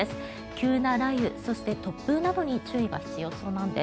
急な雷雨そして突風などに注意が必要そうなんです。